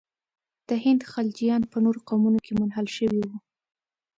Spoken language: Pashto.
د هند خلجیان په نورو قومونو کې منحل شوي وي.